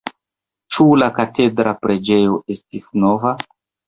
Ĉu la katedra preĝejo estis nova?